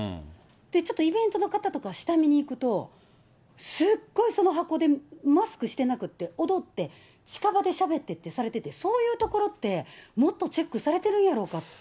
ちょっとイベントの方とか下見に行くと、すごいその箱でマスクしてなくって、踊って、近場でしゃべってってされてて、そういう所って、もっとチェックされてるんやろかって。